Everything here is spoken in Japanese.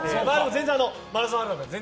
全然、マラソンあるあるなので。